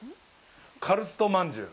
カルストまんじゅう。